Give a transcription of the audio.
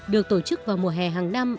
được tổ chức vào mùa hè hàng năm